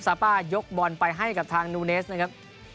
ป้ายกบอลไปให้กับทางนูเนสนะครับ